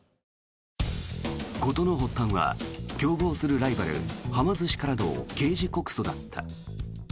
事の発端は、競合するライバルはま寿司からの刑事告訴だった。